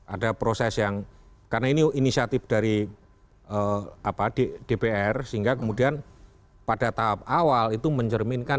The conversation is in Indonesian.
ada proses yang karena ini inisiatif dari dpr sehingga kemudian pada tahap awal itu mencerminkan